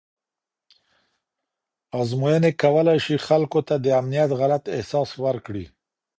ازموینې کولی شي خلکو ته د امنیت غلط احساس ورکړي.